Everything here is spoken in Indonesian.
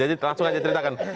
jadi langsung aja ceritakan